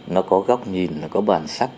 nó có góc nhìn nó có bản sắc